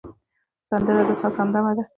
سندره د ساز همدمه ده